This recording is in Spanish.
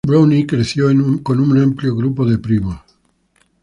Brownie creció con un amplio grupo de primos.